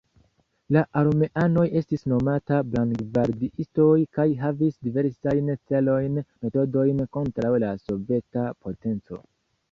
La armeanoj estis nomataj blank-gvardiistoj, kaj havis diversajn celojn, metodojn kontraŭ la soveta potenco.